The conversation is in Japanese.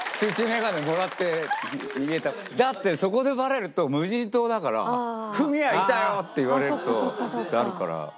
だってそこでバレると無人島だから「フミヤいたよ！」って言われると。